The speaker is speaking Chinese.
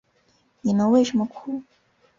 你们为什么哭？